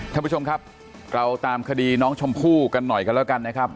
ท่านผู้ชมครับเราตามคดีน้องชมพู่กันหน่อยกันแล้วกันนะครับ